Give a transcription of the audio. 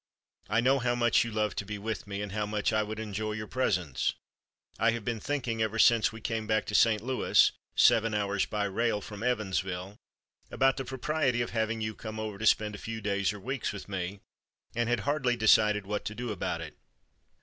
I know how much you love to be with me and how much I would enjoy your presence. I have been thinking, ever since we came back to St. Louis [seven hours by rail from Evansville], about the propriety of having you come over to spend a few days or weeks with me, and had hardly decided what to do about it.